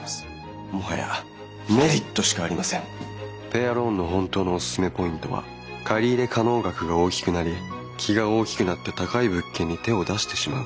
ペアローンの本当のおすすめポイントは借り入れ可能額が大きくなり気が大きくなって高い物件に手を出してしまうこと。